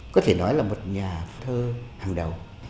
có thể nói là một nhà thơ hàng đầu